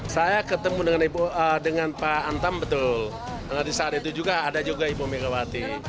saya ketemu dengan pak antam betul di saat itu juga ada juga ibu megawati